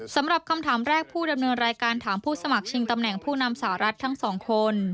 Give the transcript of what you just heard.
สำหรับคำถามแรกผู้ดำเนินรายการถามผู้สมัครชิงตำแหน่งผู้นำสหรัฐทั้งสองคน